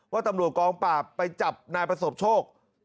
ว่าตำรวจกองปราบไปจับนายประสบโชค